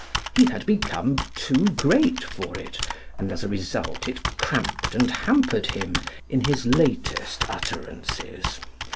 He had become too great for it and, as a result, it cramped and hampered him in his latest utterances.